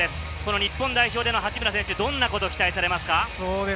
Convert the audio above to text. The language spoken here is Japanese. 日本代表の八村選手、どんなことが期待されますか？